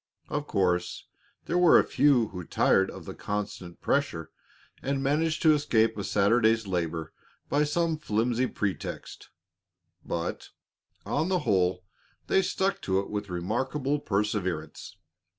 Of course there were a few who tired of the constant pressure and managed to escape a Saturday's labor by some flimsy pretext, but, on the whole, they stuck to it with remarkable perseverance.